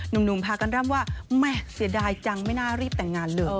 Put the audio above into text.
หนุ่มพากันร่ำว่าแม่เสียดายจังไม่น่ารีบแต่งงานเลย